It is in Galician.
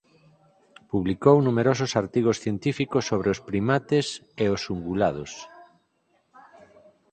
Publicou numerosos artigos científicos sobre os primates e os ungulados.